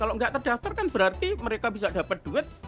kalau nggak terdaftar kan berarti mereka bisa dapat duit